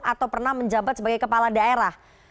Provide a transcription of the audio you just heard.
atau pernah menjabat sebagai kepala daerah